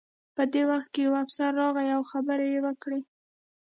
په دې وخت کې یو افسر راغی او خبرې یې وکړې